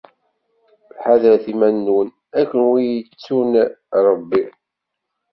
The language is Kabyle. Ḥadret iman-nwen, a kunwi yettun Rebbi.